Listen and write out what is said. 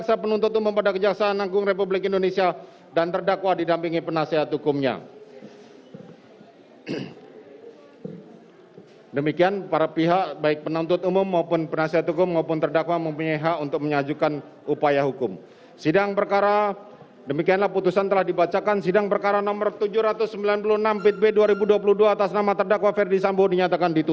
yang berakibat sistem elektronik tidak bekerja sebagaimana mestinya